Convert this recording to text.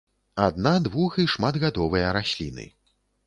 Адна-, двух- і шматгадовыя расліны.